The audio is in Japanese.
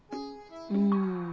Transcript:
うん。